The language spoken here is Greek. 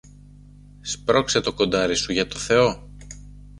Σπρώξε το κοντάρι σου, για το Θεό